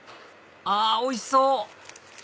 あおいしそう！